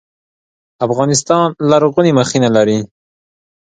افغانستان لرغوني مخینه لري